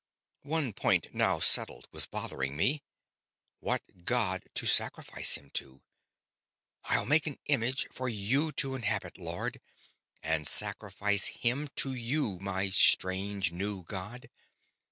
One point now settled was bothering me; what god to sacrifice him to. I'll make an image for you to inhabit, Lord, and sacrifice him to you, my strange new god.